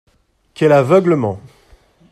Quel aveuglement